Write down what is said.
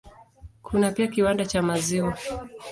Kuna pia kiwanda cha maziwa.